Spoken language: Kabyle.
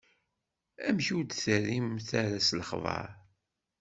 Amek, ur d-terrim ara s lexbaṛ?